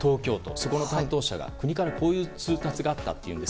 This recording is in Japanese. そこの担当者が国からこういう通達があったと。